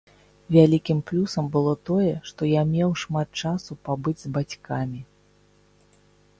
Вялікім плюсам было тое, што я меў шмат часу пабыць з бацькамі.